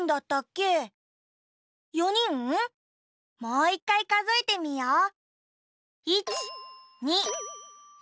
もう１かいかぞえてみよう。